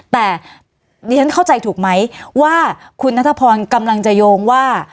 แต่ดิฉันเข้าใจถูกไหมว่าคุณนัทพรกำลังจะโยงว่า